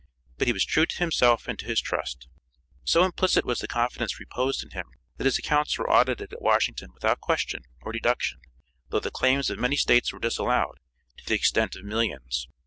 But he was true to himself and to his trust. So implicit was the confidence reposed in him that his accounts were audited at Washington without question or deduction, though the claims of many States were disallowed, to the extent of millions.